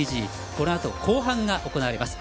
このあと、後半が行われます。